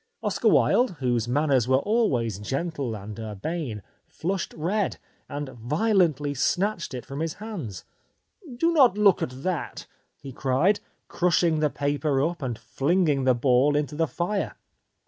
Oscar Wilde, whose manners were always gentle and urbane, flushed red, and violently snatched it from his hands. " Do not look at that !" he cried, crushing the paper up and flinging the ball into the fire.